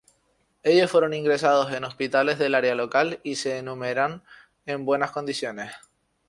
Ellos fueron ingresados en hospitales del área local y se enumeran en buenas condiciones.